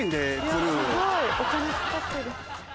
すごいお金かかってる。